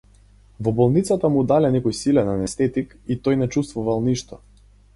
Во болницата му дале некој силен анестетик и тој не чувствувал ништо.